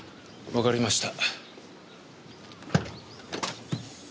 わかりました。